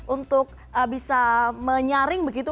untuk bisa menyaring begitu